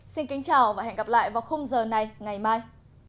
xin kính chào và hẹn gặp lại vào khung giờ này ngày mai